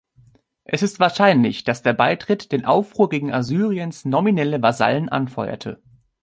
Es ist wahrscheinlich, dass der Beitritt den Aufruhr gegen Assyriens nominelle Vasallen anfeuerte.